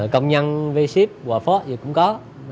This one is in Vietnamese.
công nhân v ship quà phố cũng có